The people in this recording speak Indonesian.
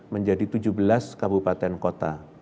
menjadi tujuh belas kabupaten kota